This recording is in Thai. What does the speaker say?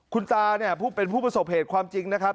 คุณตาเนี่ยเป็นผู้ประสบเหตุความจริงนะครับ